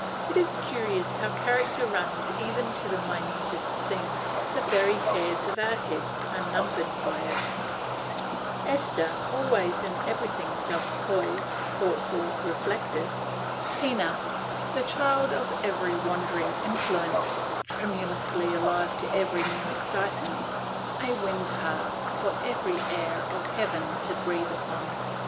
It is curious how character runs even to the minutest thing, – the very hairs of our heads are numbered by it, – Esther, always in everything self poised, thoughtful, reflective; Tina, the child of every wandering influence, tremulously alive to every new excitement, a wind harp for every air of heaven to breathe upon.